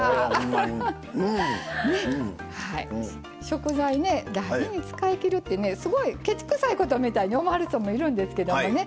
食材ね大事に使いきるってねすごいケチくさいことみたいに思わはる人もいるんですけどもね。